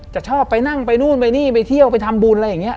จะชอบไปนั่งไปนู่นไปนี่ไปเที่ยวไปทำบุญอะไรอย่างนี้